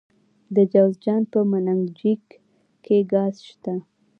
د جوزجان په منګجیک کې ګاز شته.